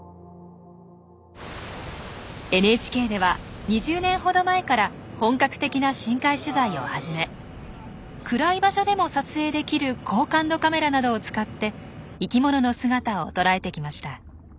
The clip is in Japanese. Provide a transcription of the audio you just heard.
ＮＨＫでは２０年ほど前から本格的な深海取材を始め暗い場所でも撮影できる高感度カメラなどを使って生きものの姿を捉えてきました。